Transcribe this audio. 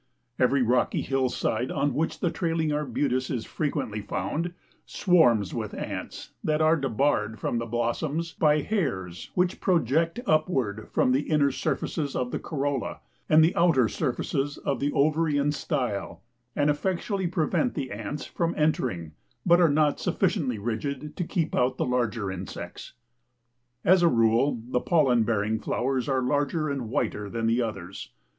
Every rocky hillside on which the Trailing Arbutus is frequently found, swarms with ants which are debarred from the blossoms by hairs which project upward from the inner surfaces of the corolla and the outer surfaces of the ovary and style and effectually prevent the ants from entering but are not sufficiently rigid to keep out the larger insects. As a rule, the pollen bearing flowers are larger and whiter than the others.